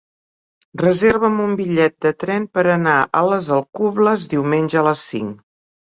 Reserva'm un bitllet de tren per anar a les Alcubles diumenge a les cinc.